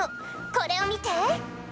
これをみて！